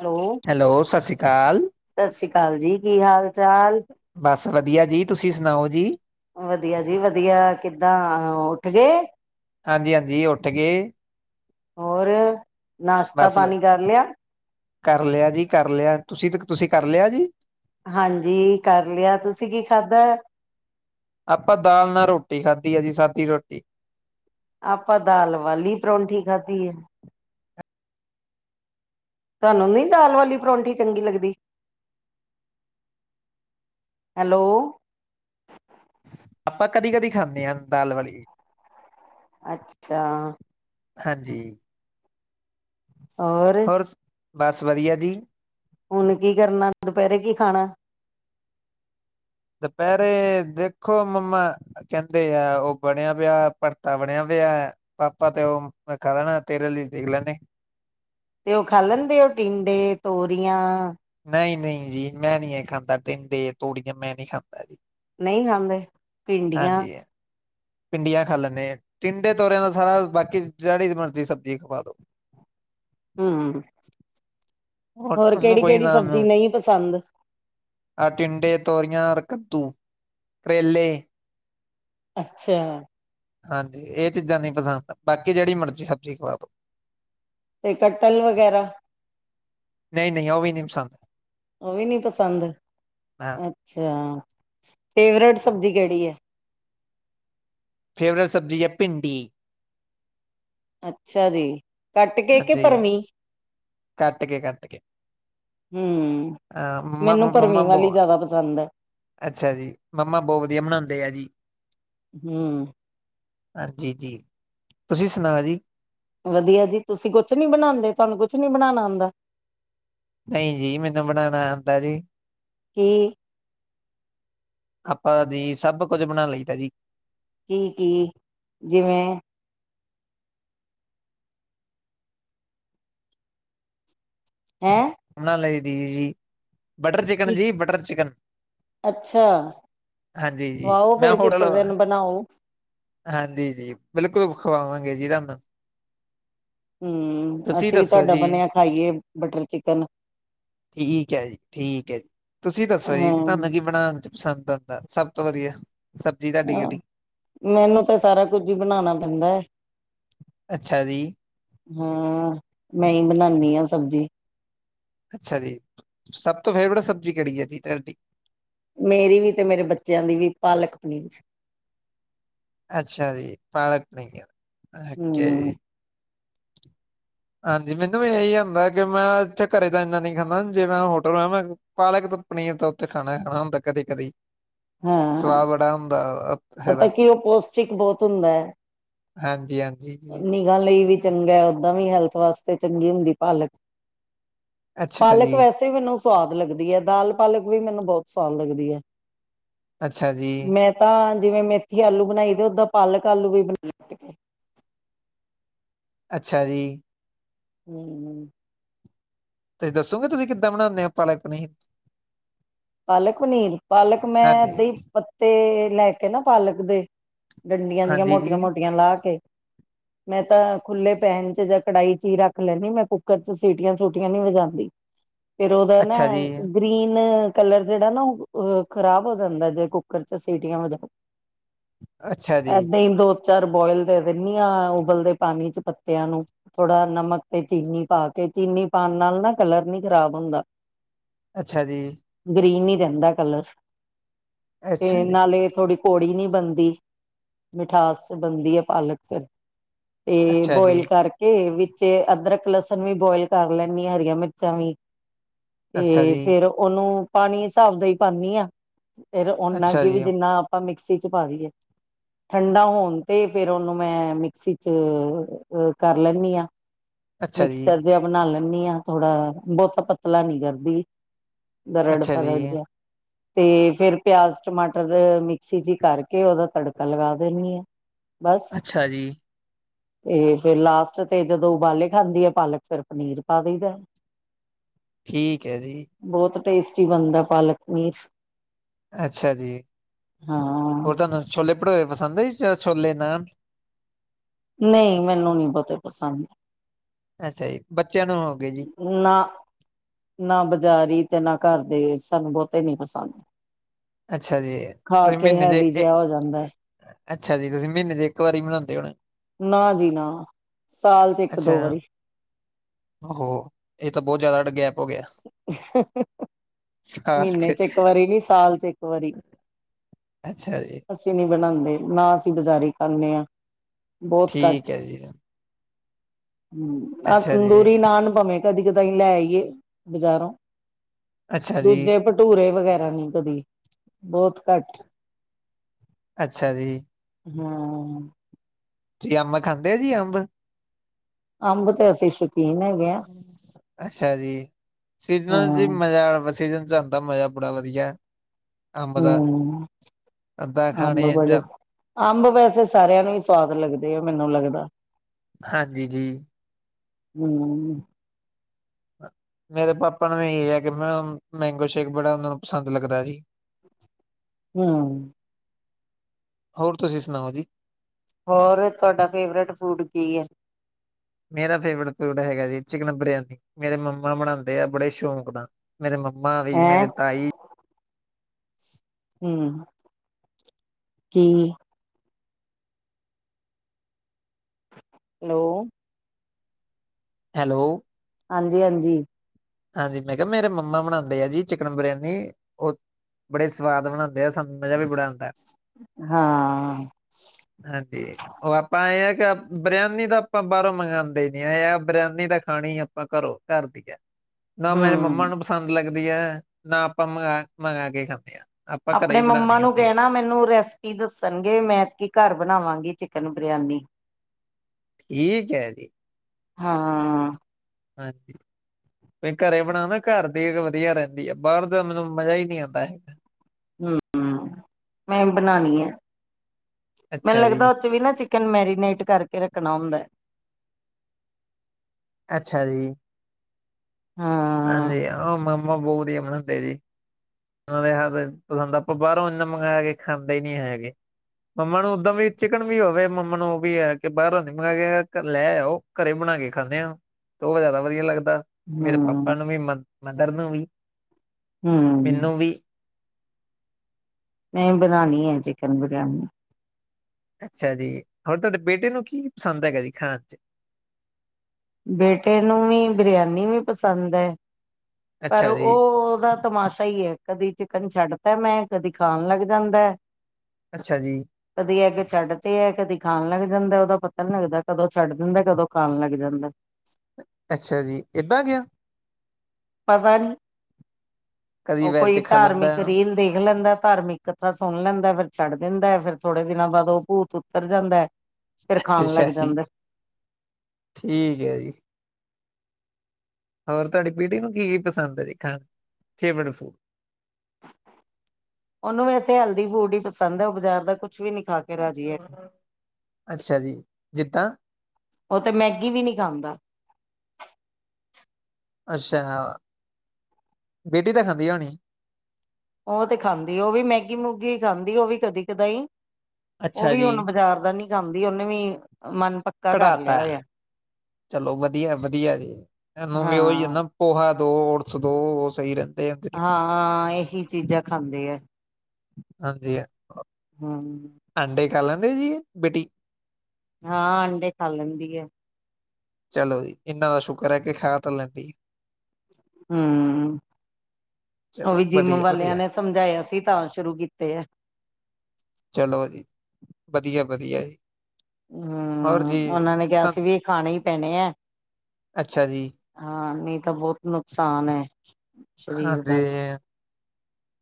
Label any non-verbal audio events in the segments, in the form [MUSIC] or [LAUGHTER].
Hello ਸਤਿ ਸ੍ਰੀ ਅਕਾਲ ਜੀ, ਕੀ ਹਾਲ ਚਾਲ? ਬਸ ਵਧੀਆ ਜੀ, ਤੁਸੀਂ ਸੁਣਾਓ ਜੀ? ਵਧੀਆ ਜੀ ਵਧੀਆ, ਕਿੱਦਾਂ ਉੱਠ ਗਏ? ਹਾਂਜੀ ਹਾਂਜੀ ਉੱਠ ਗਏ ਹੋਰ ਨਾਸ਼ਤਾ ਬਸ ਵ- ਪਾਣੀ ਕਰ ਲਿਆ? ਕਰ ਲਿਆ ਜੀ, ਕਰ ਲਿਆ, ਤੁਸੀਂ ਤੇ ਤੁਸੀਂ ਕਰ ਲਿਆ ਜੀ। ਹਾਂਜੀ ਕਰ ਲਿਆ ਤੁਸੀਂ ਕੀ ਖਾਧਾ ਆਪਾਂ ਦਾਲ ਨਾਲ ਰੋਟੀ ਖਾਧੀ ਆ ਜੀ ਸਾਦੀ ਰੋਟੀ ਆਪਾਂ ਦਾਲ ਵਾਲੀ ਪਰੌਠੀ ਖਾਧੀ ਏ। ਤੁਹਾਨੂੰ ਨੀ ਦਾਲ ਵਾਲੀ ਪਰੌਂਠੀ ਚੰਗੀ ਲੱਗਦੀ, ਹੈਲੋ ਆਪਾਂ ਕਦੀ ਕਦੀ ਖਾਂਦੇ ਹਾਂ ਦਾਲ ਵਾਲੀ ਅੱਛਾ, ਹਾਂਜੀ, ਹੋਰ, ਬਸ ਵਧੀਆ ਜੀ ਹੁਣ ਕੀ ਕਰਨਾ ਦੁਪਹਿਰੇ ਕੀ ਖਾਣਾ ਦੁਪਹਿਰੇ ਦੇਖੋ ਮੰਮਾ ਕਹਿੰਦੇ ਆ ਉਹ ਬਣਿਆ ਪਿਆ ਭਰਤਾ ਬਣਿਆ ਪਿਆ ਪਾਪਾ ਤੇ ਉਹ ਮੈਂ ਖਾ ਲੈਣਾ, ਤੇਰੇ ਲਈ ਦੇਖ ਲੈਦੇ ਤੇ ਉਹ ਖਾ ਲੈਂਦੇ ਉਹ ਟਿੰਡੇ ਤੋਰੀ ਯਾ ਨਹੀਂ ਨਹੀਂ ਜੀ ਮੈਂ ਨਹੀਂ ਇਹ ਖਾਂਦਾ ਟਿੰਡੇ ਦੇ ਤੋੜੀਆਂ ਮੈਂ ਨਹੀ ਖਾਂਦਾ। ਜੀ ਨਹੀਂ ਖਾਂਦੇ ਭਿੰਡੀਆਂ ਭਿੰਡੀਆਂ ਖਾ ਲੈਂਦੇ ਆ ਟਿੰਡੇ ਤੋੌਰਿਆਂ ਨਾਲ ਸਾਰਾ ਬਾਕੀ ਜੇੜੀ ਮਰਜ਼ੀ ਸਬਜ਼ੀ ਖਵਾ ਦੋ। ਹੂ, ਹੋਰ ਉਹਨੂੰ ਕਿਹੜੀ ਕੋਈ ਕਿਹੜੀ ਸਬਜ਼ੀ ਨਹੀਂ ਪਸੰਦ ਆਟਿੰਡੇ, ਤੋਰੀਆਂ, ਕੱਦੂ, ਕਰੇਲੇ ਅੱਛਾ ਹਾਂਜੀ ਇਹ ਚੀਜ਼ਾਂ ਨਹੀਂ ਪਸੰਦ ਬਾਕੀ ਜਿਹੜੀ ਮਰਜ਼ੀ ਸਬਜ਼ੀ ਖਵਾ ਦੋ। ਤੇ ਕਠਲ ਵਗੈਰਾ ਨਹੀਂ ਨਹੀਂ ਉਹ ਵੀ ਨੀ ਪਸਦ। ਉਹ ਵੀ ਨੀ ਪਸੰਦ, ਹਾਂ ਅੱਛਾ ਫੇਵਰੇਟ ਸਬਜ਼ੀ ਕਿਹੜੀ ਹੈ। ਫੇਵਰੇਟ ਸਬਜੀ ਹੈ, ਭਿੰਡੀ। ਅੱਛਾ ਜੀ ਕੱਟ ਕੇ ਕੇ ਹਾਂਜੀ ਪਰਵੀ ਕੱਟ ਕੇ ਕੱਟ ਕੇ, ਹਮ ਅਹਾ ਮੈਨੂੰ ਮੰਮਾ ਭਰਮੀ ਵਾਲੀ ਬਹੁ, ਜ਼ਿਆਦਾ ਪਸੰਦ ਹੈ ਅੱਛਾ ਜੀ, ਮੰਮਾ ਬਹੁਤ ਵਧੀਆ ਬਣਾਉਦੇ ਆ ਜੀ। ਹਮ ਹਾਂਜੀ ਜੀ ਤੁਸੀਂ ਸੁਣਾਓ ਜੀ ਵਧੀਆ ਜੀ ਤੁਸੀਂ ਕੁਛ ਨੀ ਬਣਾਉਂਦੇ ਤੁਹਾਨੂੰ ਕੁਛ ਨੀ ਬਣਾਉਣਾ ਆਉਂਦਾ। ਨਹੀਂ ਜੀ ਮੈਨੂੰ ਬਣਾਉਣਾ ਆਉਂਦਾ ਜੀ। ਕੀ ਆਪਾਂ ਦੀ ਸਭ ਕੁਝ ਬਣਾ ਲਈ ਦਾ ਜੀ ਕੀ ਕੀ ਜਿਵੇਂ ਹੈਂ ਬਣਾ ਲਈ ਦੀ ਜੀ ਬਟਰ ਚਿਕਨ ਕੀ? ਜੀ, ਬਟਰ ਚਿਕਨ ਅੱਛਾ ਹਾਂਜੀ ਜੀ ਖੂਆਓ ਮੈਂ ਫੇਰ ਕਿਸ ਹੋਟਲ ਦਿਨ ਬਣਾਓ ਹਾਂਜੀ ਜੀ ਬਿਲਕੁਲ ਖਵਾਵਾਂਗੇ ਜੀ ਤੁਹਾਨੂੰ ਹਮ ਤੁਸੀਂ ਅਸੀਂ ਵੀ ਦੱਸੋ ਤੁਹਾਡਾ ਜੀ ਬਣਿਆ ਖਾਈਏ ਬਟਰ ਚਿਕਨ ਠੀਕ ਹੈ ਜੀ ਠੀਕ ਹੈ ਜੀ ਤੁਸੀਂ ਦੱਸੋ ਜੀ ਹਮ ਤੁਹਾਨੂੰ ਕੀ ਬਣਾਉਣ ਚ ਪਸੰਦ ਆਉਂਦਾ ਸਭ ਤੋਂ ਵਧੀਆ ਸਬਜ਼ੀ ਤੁਹਾਡੀ ਕਿਹੜੀ ਹਹ ਮੈਨੂੰ ਤਾਂ ਸਾਰਾ ਕੁੱਝ ਹੀ ਬਣਾਉਣਾ ਪੈਂਦਾ ਹੈ। ਅੱਛਾ ਜੀ ਹਾਂ ਮੈਂ ਹੀ ਬਣਾਉਣੀ ਹਾਂ ਸਬਜ਼ੀ ਅੱਛਾ ਜੀ ਸਭ ਤੋਂ ਫੇਵਰੇਟ ਸਬਜ਼ੀ ਕਿੜੀ ਹੈ ਜੀ ਤਾਡੀ ਮੇਰੀ ਵੀ ਤੇ ਮੇਰੇ ਬੱਚਿਆਂ ਦੀ ਵੀ ਪਾਲਕ ਪਨੀਰ ਅੱਛਾ ਜੀ, ਪਾਲਕ ਪਨੀਰ ਅਹੈ ਹੂੰ ਕੇੜੀ। ਹਾਂਜੀ ਮੈਨੂੰ ਵੀ ਐਹੀ ਐ, ਮੈਂ ਕਿਆ ਮੈਂ ਇੱਥੇ ਘਰੇ ਜਾਣਾ ਨਹੀਂ ਖਾਂਣਾ, ਜੇ ਮੈਂ ਹੋਟਲ ਆਯਾ ਮੈਂ ਪਾਲਕ ਤੇ ਪਨੀਰ ਉੱਥੇ ਖਾਣੈ ਖਾਣਾ ਹੁੰਦੈ ਕਦੇ ਕਦੀ। ਹਾਂ, ਅਹ ਇਹਦਾ ਪਤਾ ਕੀ ਔ ਪੋਸ਼ਟਿਕ ਬੋਤ ਹੁੰਦਾ ਐ। ਹਾਂਜੀ ਹਾਂਜੀ। ਨਿਗਾਂ ਲਈ ਵੀ। ਚੰਗੈ, ਓਦਾਂ ਵੀ ਹੈਲਥ ਵਾਸਤੇ ਚੰਗੀ ਹੁੰਦੀ ਪਾਲਕ। ਅੱਛਾ ਪਾਲਕ ਜੀ, ਵੈਸੇ ਮੈਨੂੰ ਸਵਾਦ ਲੱਗਦੀ ਐ, ਦਾਲ-ਪਾਲਕ ਵੀ ਮੈਨੂੰ ਬੋਤ ਸਵਾਦ ਲੱਗਦੀ ਐ। ਅੱਛਾ ਜੀ। ਜਿਵੇਂ ਮੇਥੀ ਆਲੂ ਬਣਾਈ ਦੇ ਓਦਾਂ ਪਾਲਕ ਆਲੂ ਵੀ ਬਣਾ ਲਏ ਦੇ ਅੱਛਾ ਜੀ। ਹੂੰ ਹੂੰ। ਤੁਸੀਂ ਦੱਸੋਗੇ, ਤੁਸੀਂ ਕਿੱਦਾਂ ਬਣਾਂਣੇ ਔ ਪਾਲਕ ਪਨੀਰ‌। ਪਾਲਕ ਪਨੀਰ ਪਾਲਕ ਮੈਂ ਦਹੀਂ ਪੱਤੇ ਲੈ ਕੇ ਨਾ ਪਾਲਕ ਦੇ। ਡੰਡੀਆਂ ਜੀਆਂ ਹਾਂਜੀ ਮੋਟੀਆਂ ਜੀ, ਮੋਟੀਆਂ ਲਾਅ ਕੇ ਮੈਂ ਤਾਂ ਖੁੱਲੇ ਪੈਣ ਚ ਜਾਂ ਕੜਾਹੀ ਚ ਹੀ ਰੱਖ ਲੈਂਣੀ ਮੈਂ ਕੁੱਕਰ ਚ ਸੀਟੀਆਂ ਸੂਟੀਆਂ ਨੀ ਵਜਾਂਦੀ। ਫੇਰ ਉਹਦਾ ਨਾ ਅੱਛਾ ਜੀ, ਗ੍ਰੀਨ ਕਲਰ ਜਿਹੜਾ ਨਾ ਓਹ ਅ ਖ਼ਰਾਬ ਹੋ ਜਾਂਦੈ, ਜੇ ਕੁੱਕਰ ਚ ਸੀਟੀਆਂ ਹੋ ਜਾਵ ਅੱਛਾ ਜੀ, ਐਦਾਂ ਈ ਦੋ ਚਾਰ ਬੋਇਲ ਦੇ ਦਿੰਣੀ ਆਂ, ਉਬਲਦੇ ਪਾਣੀ ਚ ਪੱਤਿਆਂ ਨੂੰ, ਥੋੜ੍ਹਾ ਨਮਕ ਤੇ ਚੀਨੀ ਪਾ ਕੇ ਚੀਨੀ ਪਾਣ ਨਾਲ ਨਾ ਕਲਰ ਨੀ ਖ਼ਰਾਬ ਹੁੰਦਾ‌। ਅੱਛਾ ਜੀ। ਗ੍ਰੀਨ ਹੀ ਰਹਿੰਦਾ ਕਲਰ। ਅੱਛਾ ਤੇ ਜੀ, ਨਾਲੇ ਥੋੜੀ ਕੌੜੀ ਨੀ ਬੰਣਦੀ ਮਿਠਾਸ ਬੰਣਦੀ ਐ, ਪਾਲਕ ਫੇਰ। ਤੇ ਅੱਛਾ ਜੀ, ਬੋਇਲ ਕਰਕੇ ਵਿ ਵਿੱਚੇ ਅਦਰਕ ਲਸਣ ਵੀ ਬੋਇਲ ਕਰ ਲੈਂਣੀਆਂ ਹਰੀਆਂ ਮਿਰਚਾਂ ਵੀ। ਅੱਛਾ ਤੇ ਜੀ, ਫੇਰ ਉਹਨੂੰ ਪਾਣੀ ਹਿਸਾਬ ਦਾ ਈ ਪਾਂਣੀ ਆਂ। ਫੇਰ ਔਨਾ ਅੱਛਾ ਕਿ ਵੀ ਜੀ। ਜਿੰਨਾ ਆਪਾਂ ਮਿਕ ਮਿਕਸੀ ਚ ਪਾ ਦੀਏ, ਠੰਡਾ ਹੋਣ ਤੇ ਫੇਰ ਉਹਨੂੰ ਮੈਂ ਮਿਕਸੀ ਚ ਕਰ ਲੈਂਣੀ ਆਂ। ਅੱਛਾ ਜੀ, ਮਿਕਸਚਰ ਜਿਆ ਬਣਾ ਲੈਣ ਨੀ ਆ ਥੋੜਾ ਬੌਤਾ ਪਤਲਾ ਨੀ ਕਰਦੀ। ਦਰੜ। ਅੱਛਾ ਘਰ ਜੀ, ਵਧੀਆ, ਤੇ ਫਿਰ ਪਿਆਜ ਟਮਾਟਰ ਮਿਕਸੀ ਜ ਕਰਕੇ ਉਹਦਾ ਤੜਕਾ ਲਗਾ ਦੇਨੀ ਆ। ਅੱਛਾ ਜੀ। ਤੇ ਫੇਰ ਲਾਸਟ ਤੇ ਜਦੋਂ ਉਬਾਲੇ ਖਾਂਦੀ ਆ ਪਾਲਕ ਫਿਰ ਪਨੀਰ ਪਾ ਦੇਦਾ। ਠੀਕ ਹੈ ਜੀ। ਟੇਸਟ, ਕੀ ਬਣਦਾ ਪਾਲਕ ਪਨੀਰ, ਅੱਛਾ, ਜੀ ਉਹ ਹਾਂ ਤਾਂ ਚਲੇ ਪਠੂਰੇ ਪਸੰਦ ਈ ਛੋਲੇ ਨਾਲ ਨਹੀਂ ਮੈਨੂੰ ਨੀ ਬਹੁਤੇ ਪਸੰਦ, ਅੱਛਾ ਜੀ, ਬੱਚਿਆਂ ਨੂੰ ਹੋ ਗਏ ਜੀ, ਨਾ, ਨਾ ਬਾਜ਼ਾਰੀ ਤੇ ਨਾ ਘਰਦੇ ਸਾਨੂੰ ਬਹੁਤੇ ਨੀ ਪਸੰਦ। ਅੱਛਾ ਜੀ, ਖਾ ਤੁਸੀਂ ਕੇ ਮਹੀਨੇ ਦੇ ਹੈਵੀ ਇ- ਜਿਹਾ ਹੋ ਜਾਂਦਾ ਹੈ। ਅੱਛਾ ਜੀ ਤੁਸੀਂ ਮਹੀਨੇ ਦੇ ਇੱਕ ਵਾਰੀ ਬਣਾਉਦੇ ਹੋ ਨਾ। ਨਾ ਜੀ ਨਾ, ਸਾਲ ਚ ਇੱਕ ਦੋ ਅੱਛਾ। ਵਾਰੀ। ਓਹੋ! ਇਹ ਤਾਂ ਬਹੁਤ ਜ਼ਿਆਦਾ ਗੈਪ ਹੋ ਗਿਆ ਮਹੀਨੇ ਚ ਇੱਕ ਵਾਰੀ ਨੀ ਸਾਲ ਚ ਇਕ ਵਾਰੀ ਅੱਛਾ ਜੀ, ਅਸੀਂ ਨੀ ਬਣਾਉਂਦੇ ਨਾ ਅਸੀਂ ਬਜ਼ਾਰੀ ਖਾਂਦੇ ਹਾਂ। ਬਹੁਤ ਠੀਕ ਹੈ ਜੀ। ਹ ਆਹ ਅੱਛਾ ਜੀ, ਤੰਦੂਰੀ ਨਾਨ ਭਾਵੇਂ ਕਦੀ ਕਦੇ ਕਦੀ ਲੈ ਆਈ ਏ ਬਜ਼ਾਰੋਂ ਅੱਛਾ ਜੀ, ਦੂਜੇ ਭਟੂਰੇ ਵਗੈਰਾ ਨੀ ਕਦੀ ਬਹੁਤ ਘੱਟ ਅੱਛਾ ਜੀ। ਹੂੰ ਜੀ ਅੰਬ ਖਾਂਦੇ ਆ ਜੀ ਅੰਬ ਅੰਬ ਤੇ ਅਸੀਂ ਸ਼ੌਕੀਨ ਹੈਗੇ ਆ ਅੱਛਾ ਜੀ ਸੀਜਨਾਂ ਚ ਹਾਂ ਮਜ਼ਾ ਆਣਾ ਸੀਜਨ ਜਾਂਦਾ ਮਜ਼ਾ ਬੜਾ ਵਧੀਆ ਅੰਬ ਦਾ ਹਮ ਅੱਧਾ ਅੰਬ ਖਾਣੇ ਆ ਬੜੇ ਜਾਂ ਅੰਬ ਵੈਸੇ ਸਾਰਿਆਂ ਨੂੰ ਵੀ ਸਵਾਦ ਪ ਲੱਗਦੇ ਆ ਮੈਨੂੰ ਲੱਗਦਾ। ਹਾਂਜੀ ਜੀ। ਹੂੰ ਮੇਰੇ ਪਾਪਾ ਨੂੰ ਇਹ ਹੈ ਕਿ ਮੈ ਮੈਂਗੋ ਸ਼ੇਕ ਬੜਾ ਉਹਨਾਂ ਨੂੰ ਪਸੰਦ ਲੱਗਦਾ ਜੀ। ਹੂੰ ਹੋਰ ਤੁਸੀਂ ਸੁਣਾਓ ਜੀ। ਹੋਰ ਤੁਹਾਡਾ ਫੇਵਰੇਟ ਫੂਡ ਕੀ ਐ। ਮੇਰਾ ਫੇਵਰੇਟ ਫੂਡ ਹੈਗਾ ਜੀ ਚਿਕਨ ਬਿਰਿਆਨੀ ਮੇਰੇ ਮੰਮਾ ਬਣਾਉਦੇ ਆ ਬੜੇ ਸ਼ੌਕ ਨਾਲ ਮੇਰੇ ਮੰਮਾ ਵੀ ਮੇਰੇ ਹੈਂ ਤਾਈ ਹੂੰ, ਕੀ ਹੈਲੋ ਹੈਲੋ ਹਾਂਜੀ ਹਾਂਜੀ ਹਾਂਜੀ ਮੈਂ ਕਿਹਾ ਮੇਰੇ ਮੰਮਾ ਬਣਾਉਂਦੇ ਆ ਜੀ ਚਿਕਨ ਬਰਿਆਨੀ ਉਹ ਬੜੇ ਸਵਾਦ ਬਣਾਉਦੇ। ਸਾਧੂ ਮਜਾ ਵੀ ਬੜਾ ਹੁੰਦਾ ਹਾਂ ਹਾਂਜੀ ਉਹ ਆਪਾਂ ਇਹ ਬਰਿਆਨੀ ਤਾਂ ਆਪਾਂ ਬਾਹਰੋਂ ਮੰਗਵਾਉਂਦੇ ਨ ਹਾਂ ਯ ਬਰਿਆਨੀ ਤਾਂ ਖਾਣੀ ਆਪਾਂ ਘਰੋਂ ਘਰ ਦੀ ਹੈ। ਨਾ ਮੇਰੇ ਮੰਮਾ ਹੂੰ ਨੂੰ ਪਸੰਦ ਲੱਗਦਾ। ਦੀ ਨਾ ਆਪਾਂ ਮੰਗ, ਮੰਗਵਾ ਕੇ ਖਾਂਦੇ ਹਾਂ। ਆਪਣੇ ਮੰਮਾ ਨੂੰ ਕਹਿਣਾ ਮੈਨੂੰ ਰੈਸਪੀ ਦੱਸਣਗੇ ਮੈਂ ਕੀ ਘਰ ਬਣਾਵਾਂਗੀ ਚਿਕਨ ਨ ਬਿਆਨੀ ਠੀਕ ਹੈ ਜੀ। ਹਾਂ। ਹਾਂਜੀ ਘਰੇ ਬਣਾਉਣਾ ਘਰ ਦੀ ਵਧੀਆ ਰਹਿੰਦੀ ਆ ਬਾਹਰ ਦਾ ਮੈਨੂੰ ਮਜ਼ਾ ਹੀ ਨਹੀਂ ਆਉਂਦਾ ਹੈਗਾ। ਹਮ, ਮੈਂ ਬਣਾਉਣੀ ਹੈ। ਮੈਨੂੰ ਅੱਛਾ ਲੱਗਦਾ ਜੀ ਉਹ ਚ ਵੀ ਨਾ ਚਿਕਨ ਮੈਰੀਨੇਟ ਕਰਕੇ ਰੱਖਣਾ ਹੁੰਦਾ ਹੈ। ਅੱਛਾ ਜੀ ਹਾਂ ਹਾਂਜੀ ਉਹ ਮਾਮ [UNINTELLIGIBLE] ੳਹਨਾਂ ਦੇ ਪਸੰਦ ਆਪਾਂ ਬਾਹਰੋਂ ਇਨਾ ਮੰਗਵਾ ਕੇ ਖਾਂਦੇ ਹੀ ਨੀ ਹੈਗੇ ਮੰਮਾ ਨੂੰ ਓਦਾਂ ਵੀ ਚਿਕਨ ਵੀ ਹੋਵੇ ਮੰਮਾ ਨੂੰ ਉਹ ਵੀ ਹੈ ਬਾਹਰੋਂ ਨੀ ਮੰਗਵਾ ਕੇ ਲੈ ਆਓ ਘਰੇ ਬਣਾ ਕੇ ਖਾਂਦੇ ਆ ਤੇ ਉਹ ਜ਼ਿਆਦਾ ਵਧੀਆ ਲੱਗਦਾ ਮੇਰੇ ਪਾਪਾ ਹੂੰ ਨੂੰ ਵੀ [UNINTELLIGIBLE] ਵੀ ਹੂੰ ਮੈਨੂੰ ਵੀ ਨਹੀਂ ਬਣਾਣੀ ਹੈ ਚਿਕਨ ਬਿਰਿਆਨੀ ਅੱਛਾ ਜੀ ਹੋਰ ਤੁਹਾਡੇ ਬੇਟੇ ਨੂੰ ਕੀ ਪਸੰਦ ਹੈਗਾ ਜੀ ਖਾਣ ਚ ਬੇਟੇ ਨੂੰ ਵੀ ਬਰਿਆਨੀ ਵੀ ਪਸੰਦ ਹੈ ਪਰ ਅੱਛਾ ਉਹ ਜੀ ਉਹਦਾ ਤਮਾਸ਼ਾ ਹੀ ਹੈ ਕਦੀ ਚਿਕਨ ਛੱਡ ਤਾਂ ਮੈਂ ਕਦੀ ਖਾਣ ਲੱਗ ਜਾਂਦਾ ਹੈ ਅੱਛਾ ਜੀ ਕਦੀ ਐੱਗ ਛੱਡ ਤੇ ਹੈ ਕਦੀ ਖਾਣ ਲੱਗ ਜਾਂਦਾ ਉਹਦਾ ਪਤਾ ਨੀ ਲੱਗਦਾ ਕਦੋਂ ਛੱਡ ਦਿੰਦਾ ਕਦੋਂ ਖਾਣ ਲੱਗ ਜਾਂਦਾ ਅੱਛਾ ਜੀ ਏਦਾਂ ਕਿਉਂ ਪਤਾ ਨੀ ਕਦੀ ਉਹ ਵੈਜ ਕੋਈ ਚ ਖਾ ਲੈਂਦਾ ਧਾਰਮਿਕ ਰੀਲ ਦੇਖ ਲੈਂਦਾ ਧਾਰਮਿਕ ਕਥਾ ਸੁਣ ਲੈਂਦਾ ਫਿਰ ਛੱਡ ਦਿੰਦਾ ਹੈ ਫੇਰ ਥੋੜੇ ਦਿਨਾਂ ਬਾਅਦ ਉਹ ਭੂਤ ਉਤਰ ਜਾਂਦਾ ਹੈ ਅੱਛਾ ਜੀ ਠੀਕ ਹੈ ਜੀ ਹੋਰ ਤੁਹਾਡੀ ਪੀੜੀ ਨੂੰ ਕੀ ਕੀ ਪਸੰਦ ਹੈ ਖਾਣ ਫੇਵਰੇਟ ਫੂਡ ਉਹਨੂੰ ਵੈਸੇ ਹੈਲਦੀ ਫੂਡ ਹੀ ਪਸੰਦ ਹੈ ਉਹ ਬਾਜ਼ਾਰ ਦਾ ਕੁ ਕੁਛ ਵੀ ਨੀ ਖਾ ਕੇ ਰਾਜੀ ਫੂਡ ਅੱਛਾ ਜੀ ਜਿੱਦਾਂ ਉਹ ਤੇ ਮੈਗੀ ਵੀ ਨੀ ਖਾਂਦਾ। ਅੱਛਾ ਬੇਟੀ ਤਾਂ ਖਾਂਦੀ ਹੋਣੀ, ਉਹ ਤੇ ਖਾਂਦੀ ਉਹ ਵੀ ਮੈਗੀ ਮੂਗੀ ਖਾਂਦੀ ਉਹ ਵੀ ਕਦੀ ਕਦਾਈ ਉਹ ਅੱਛਾ ਵੀ ਹੁਣ ਬਾਜ਼ਾਰ ਦਾ ਨੀ ਖਾਂਦੀ ਉਹਨੇ ਵੀ ਮਨ ਪੱਕਾ ਕਰ ਲਿਆ ਕਢਾਤਾ ਹੈ ਹੋਇਆ ਚਲੋ ਵਧੀਆ ਵਧੀਆ ਜੀ ਇਹਨੂੰ ਵੀ ਉਹੀ ਹਾਂ ਆ ਪੋਹਾ ਓਡਜ਼ ੜਸ ਦੋ ਉਹ ਸਹੀ ਰਹਿੰ ਹਾਂ ਇਹੀ ਚੀਜ਼ਾਂ ਖਾਂਦੇ ਆ ਹਾਂਜੀ ਹੂੰ, ਅੰਡੇ ਖਾ ਲੈਂਦੇ ਐ ਜੀ ਬੇਟੀ ਹਾਂ ਅੰਡੇ ਖਾ ਲੈਂਦੀ ਐ। ਚਲੋ ਜੀ ਇੰਨਾ ਦਾ ਸ਼ੁਕਰ ਹੈ ਕਿ ਖਾ ਤਾਂ ਲੈਂਦੀ। ਹੂੰ, ਉਹ ਚਲੋ ਵੀ ਜਿੰਮ ਵਧੀਆ ਵਾਲਿਆਂ ਵਧੀਆ ਨੇ ਸਮਝਾਇਆ ਸੀ ਤਾਂ ਸ਼ੁਰੂ ਕੀਤੇ ਆ। ਚਲੋ ਜੀ ਵਧੀਆ ਵਧੀਆ ਜੀ, ਹੋਰ ਹੂੰ ਜੀ ਉਹਨਾਂ ਨੇ ਕਿਹਾ ਤਾਂ ਸੀ ਵੀ ਇਹ ਖਾਣੇ ਹੀ ਪੈਣੇ ਹੈ ਅੱਛਾ ਜੀ ਹਾਂ ਨਹੀਂ ਤਾਂ ਬਹੁਤ ਨੁਕਸਾਨ ਹੈ। ਸਰੀਰ ਦਾ ਹਾਂਜੀ,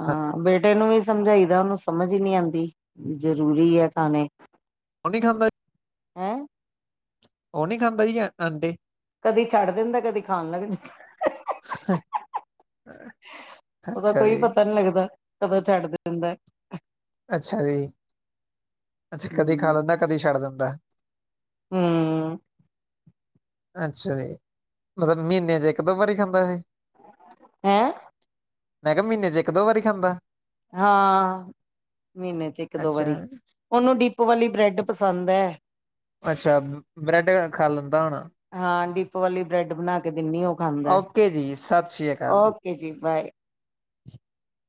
ਹਾਂ ਬੇਟੇ ਨੂੰ ਵੀ ਸਮਝਾਈਦਾ ਉਹਨੂੰ ਸਮਝ ਹੀ ਨੀ ਆਦੀ ਵੀ ਜ਼ਰੂਰੀ ਐ ਖਾਣੇ, ਉਹ ਨੀ ਖਾਦਾ ਜੀ, ਹੈਂ, ਉਹ ਨੀ ਖਾਂਦਾ ਜੀ ਆਂਡੇ ਕਦੀ ਛੱਡ ਦਿੰਦਾ ਕਦੀ ਖਾਣ ਲੱਗ ਜਾਂ ਉਹਦਾ ਅੱਛਾ ਕੋਈ ਜੀ ਪਤਾ ਨੀ ਲੱਗਦਾ ਕਦੋਂ ਛੱਡ ਦਿੰਦਾ। ਅੱਛਾ ਜੀ ਅੱਛਾ ਕਦੀ ਖਾ ਹੂੰ। ਲੈਂਦਾ ਕਦੀ ਛੱਡ ਦਿੰਦਾ। ਵਾਹ, ਹੂੰ, ਅੱਛਾ ਜੀ, ਮਤਲਬ ਮਹੀਨੇ ਚ ਇੱਕ ਦੋ ਵਾਰੀ ਖਾਂਦਾ ਜੀ। ਹੈਂ? ਮੈਂ ਕਿਹਾ ਮਹੀਨੇ ਚ ਇੱਕ ਦੋ ਵਾਰੀ ਖਾਂਦਾ। ਹਾਂ ਮਹੀਨੇ ਚ ਇੱਕ ਦੋ ਅੱਛਾ ਵਾਰੀ ਉਹਨੂੰ ਡੀਪ ਵਾਲੀ ਬ੍ਰੈਡ ਪਸੰਦ ਹੈ। ਅੱਛਾ ਬ੍ਰੈਡ ਖਾ ਲੈਂਦਾ ਹੋਣਾ, ਹਾਂ ਡਿਪ ਵਾਲੀ ਬ੍ਰੈਡ ਬਣਾ ਕੇ, ਕਿੰਨੀ ਉਹ ਖਾਂਦਾ ਓਕੇ ਜੀ ਸਤਿ ਸ਼੍ਰੀ ਅਕਾਲ ਓਕੇ ਜੀ ਬਾਏ, [UNINTELLIGIBLE]